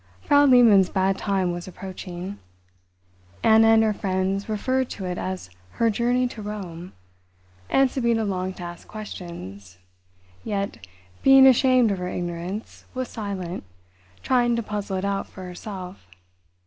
Frau Lehmann's bad time was approaching. Anna and her friends referred to it as her "journey to Rome," and Sabina longed to ask questions, yet, being ashamed of her ignorance, was silent, trying to puzzle it out for herself.